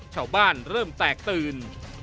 ชาวบ้านเริ่มแตกตื่น